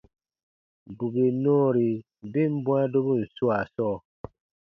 Bù bè nɔɔri ben bwãa dobun swaa sɔɔ,